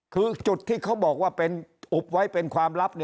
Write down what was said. คือจุดที่เขาบอกว่าเป็นอุบไว้เป็นความลับ